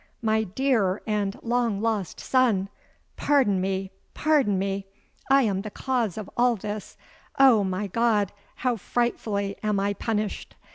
—my dear, and long lost son! Pardon me—pardon me—I am the cause of all this—Oh! my God! how frightfully am I punished!'